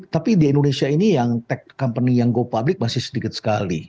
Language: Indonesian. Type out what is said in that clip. tapi di indonesia ini yang tech company yang go public masih sedikit sekali